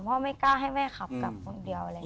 เพราะว่าไม่กล้าให้แม่ขับกลับคนเดียว